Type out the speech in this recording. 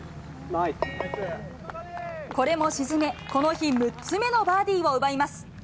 これも沈め、この日６つ目のバーディーを奪います。